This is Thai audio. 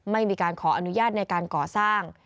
ไม่มีการขออนุญาตในการก่อสร้าง